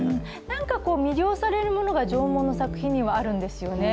何かこう魅了されるものが縄文の作品にはあるんですよね。